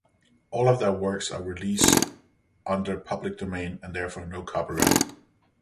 All of their works are release under Public Domain and therefore no copyright.